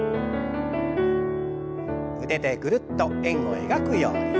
腕でぐるっと円を描くように。